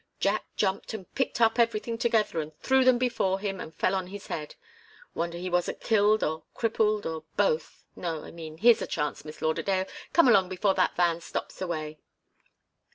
Jack jumped and picked up everything together and threw them before him and fell on his head. Wonder he wasn't killed or crippled or both no, I mean here's a chance, Miss Lauderdale come along before that van stops the way!"